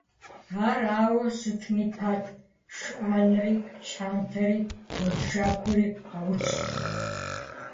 Ар ауэ сытми пӀэт, шхыӀэнри, щхьэнтэри, уэншэкури къауцт.